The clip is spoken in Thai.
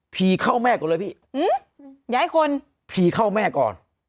ผีเข้าแม่ก่อนเลยพี่หื้ออย่าให้คนผีเข้าแม่ก่อน